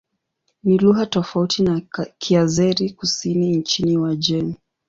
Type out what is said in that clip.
Ni lugha tofauti na Kiazeri-Kusini nchini Uajemi.